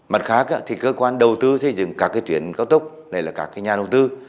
mặt khác thì cơ quan đầu tư xây dựng các tuyến cao tốc này là các nhà đầu tư